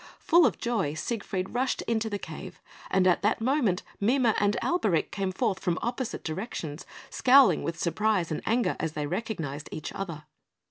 Full of joy, Siegfried rushed into the cave; and at that moment Mime and Alberic came forth from opposite directions, scowling with surprise and anger as they recognised each other.